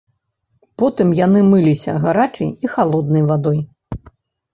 Потым яны мыліся гарачай і халоднай вадой.